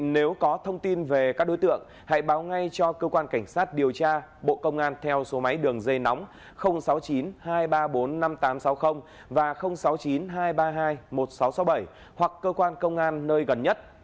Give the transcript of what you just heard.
nếu có thông tin về các đối tượng hãy báo ngay cho cơ quan cảnh sát điều tra bộ công an theo số máy đường dây nóng sáu mươi chín hai trăm ba mươi bốn năm nghìn tám trăm sáu mươi và sáu mươi chín hai trăm ba mươi hai một nghìn sáu trăm sáu mươi bảy hoặc cơ quan công an nơi gần nhất